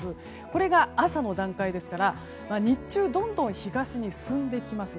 これが朝の段階ですから日中どんどん東に進んできます。